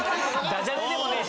ダジャレでもねえ。